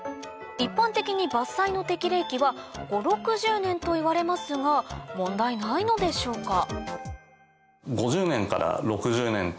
一般的に伐採の適齢期は５０６０年といわれますが問題ないのでしょうか？